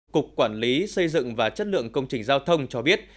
cục quản lý xây dựng và chất lượng công trình giao thông cho biết